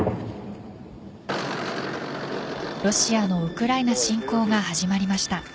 ロシアのウクライナ侵攻が始まりました。